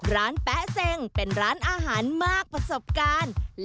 แป๊ะเซ็งเป็นร้านอาหารมากประสบการณ์